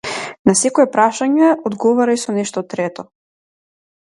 На секое прашање одговарај со нешто трето.